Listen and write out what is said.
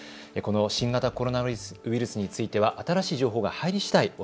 この新型コロナウイルスについては新しい情報が入りしだい